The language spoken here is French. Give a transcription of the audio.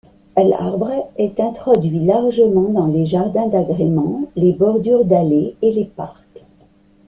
L'arbre est introduit largement dans les jardins d'agrément, les bordures d'allées et les parcs.